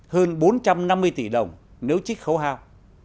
hơn bốn trăm năm mươi tỷ đồng nếu chích khấu hao